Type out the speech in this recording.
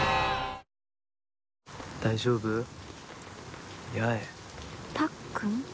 大丈夫？たっくん？